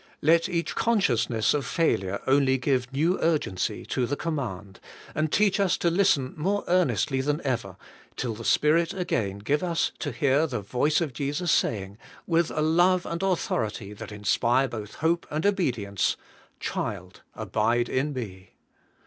Let each consciousness of failure only give new urgency to the command, and teach us to listen more earnestly than ever till the Spirit again give us to hear the voice of Jesus saying, with a love and authority that inspire both hope and obedience, * Child, abide in me.'